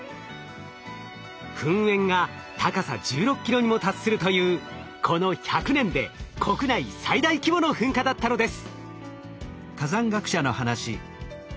噴煙が高さ１６ｋｍにも達するというこの１００年で国内最大規模の噴火だったのです。